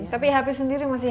tapi happy sendiri masih